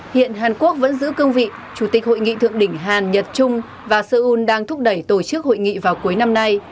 hiện hàn quốc vẫn giữ cương vị chủ tịch hội nghị thượng đỉnh hàn nhật trung và seoul đang thúc đẩy tổ chức hội nghị vào cuối năm nay